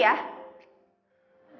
dan asal lo tau